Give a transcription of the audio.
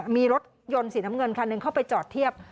มีรถยนต์สีน้ำเงินคันหนึ่งเข้าไปจอดเทียบ